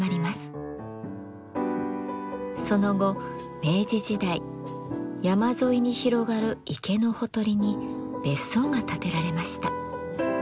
その後明治時代山沿いに広がる池のほとりに別荘が建てられました。